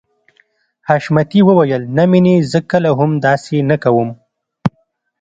حشمتي وويل نه مينې زه کله هم داسې نه کوم.